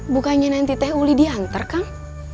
bukannya nanti teh uli diantar kang